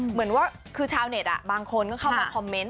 เหมือนว่าคือชาวเน็ตบางคนก็เข้ามาคอมเมนต์